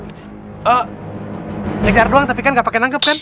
ngejar doang tapi kan gak pake nanggep kan